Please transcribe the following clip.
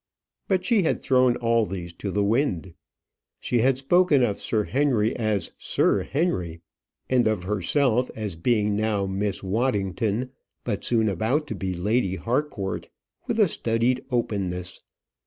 But she had thrown all these to the wind. She had spoken of Sir Henry as Sir Henry, and of herself as being now Miss Waddington, but soon about to be Lady Harcourt, with a studied openness.